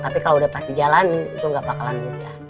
tapi kalau udah pasti jalanin itu enggak bakalan mudah